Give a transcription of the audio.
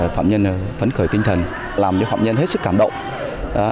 phạm nhân phấn khởi tinh thần làm cho phạm nhân hết sức cảm động